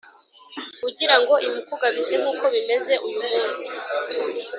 ugira ngo imukugabize nk’uko bimeze uyu munsi